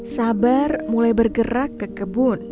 nah merekabil secara ganas